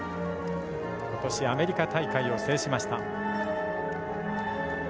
今年アメリカ大会を制しました。